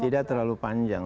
tidak terlalu panjang